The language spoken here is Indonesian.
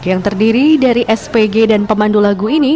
yang terdiri dari spg dan pemandu lagu ini